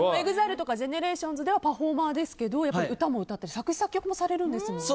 ＥＸＩＬＥとかＧＥＮＥＲＡＴＩＯＮＳではパフォーマーですけど歌も歌ったり作詞・作曲もされるんですよね。